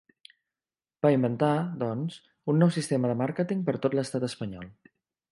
Va inventar, doncs, un nou sistema de màrqueting per tot l'Estat espanyol.